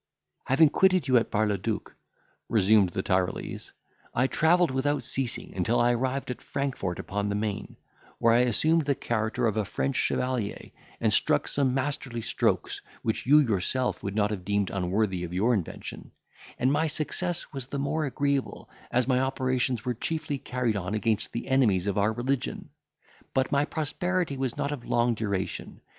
"Having quitted you at Bar le duc," resumed the Tyrolese, "I travelled without ceasing, until I arrived at Frankfort upon the Maine, where I assumed the character of a French chevalier, and struck some masterly strokes, which you yourself would not have deemed unworthy of your invention; and my success was the more agreeable, as my operations were chiefly carried on against the enemies of our religion. But my prosperity was not of long duration.